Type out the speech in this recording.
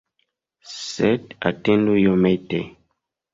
Sed atendu iomete!